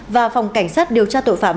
và phòng cảnh sát điều tra tội phạm